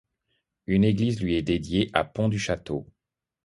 Une église lui est dédiée à Pont-du-Château.